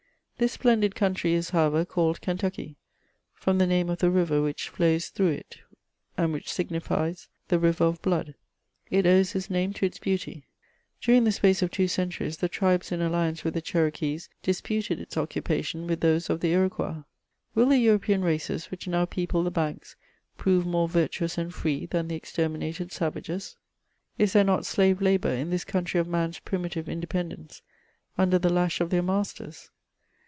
This splendid country is, however, called Kentucky — from the name of the river which flows through it, and which signifies the '^ Jiiver of Blood." It owes this name to its beauty. During the space of two centuries the tribes in alliance with the Cherokees disputed its occupation with those of the Iroquois. Will the European races which now people the banks prove more virtuous and free than the exterminated savages? Is there not slave labour in this country of man's primitive independence, under the lash of their masters